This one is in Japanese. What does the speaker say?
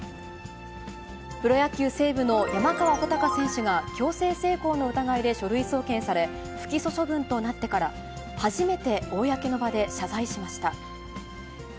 プロ野球・西武の山川穂高選手が強制性交の疑いで書類送検され、不起訴処分となってから、初めて公の場で謝罪しました。